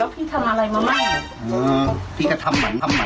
แล้วพี่ทำอะไรมาให้